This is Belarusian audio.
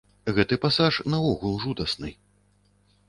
Гэты пасаж наогул жудасны.